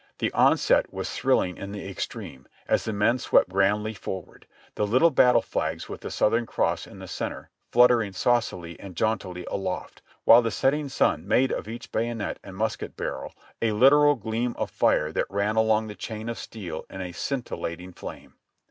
The onset was thrilHng in the extreme, as the men swept grandly forward, the little battle flags with the Southern cross in the center fluttering saucily and jauntily aloft, while the setting sun made of each bay onet and musket barrel a literal gleam of fire that ran along the chain of steel in a scintillating flame.